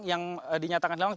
yang dinyatakan hilang